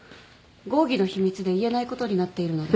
合議の秘密で言えないことになっているので。